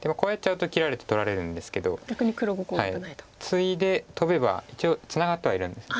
ツイでトベば一応ツナがってはいるんです。